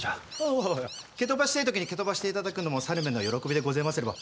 おお蹴飛ばしてぇ時に蹴飛ばしていただくのも猿めの喜びでごぜますれば。